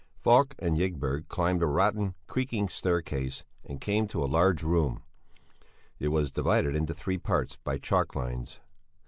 Falk and Ygberg climbed a rotten, creaking staircase and came to a large room. It was divided into three parts by chalk lines.